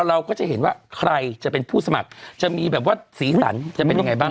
เราก็จะเห็นว่าใครจะเป็นผู้สมัครจะมีแบบว่าสีสันจะเป็นยังไงบ้าง